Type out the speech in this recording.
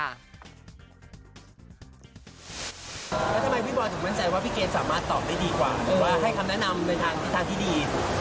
แล้วทำไมพี่บอยถึงมั่นใจว่าพี่เกดสามารถตอบได้ดีกว่าหรือว่าให้คำแนะนำในทางที่ดี